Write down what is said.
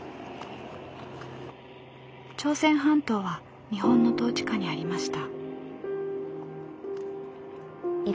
朝鮮半島は日本の統治下にありました。